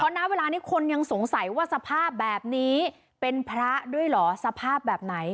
ณเวลานี้คนยังสงสัยว่าสภาพแบบนี้เป็นพระด้วยเหรอสภาพแบบไหน